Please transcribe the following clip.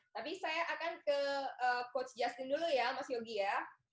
tapi saya akan ke coach justin dulu ya mas yogi ya